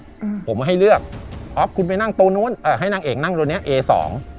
อืมผมให้เลือกออฟคุณไปนั่งตรงนู้นเอ่อให้นางเอกนั่งตรงเนี้ยเอสอง